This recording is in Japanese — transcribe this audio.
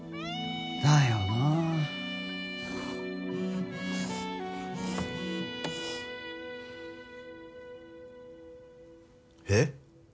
だよなぁ。えっ！？